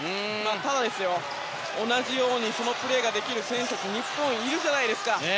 ただ、同じようにそのプレーができる選手が日本にいるじゃないですか。